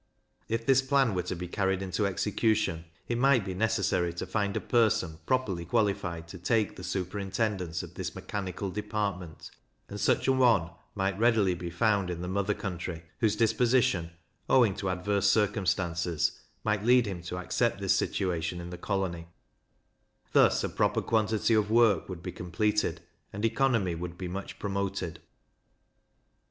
If this plan were to be carried into execution, it might be necessary to find a person properly qualified to take the superintendence of this mechanical department; and such an one might readily be found in the mother country, whose disposition, owing to adverse circumstances, might lead him to accept this situation in the colony; thus a proper quantity of work would be completed, and economy would be much promoted.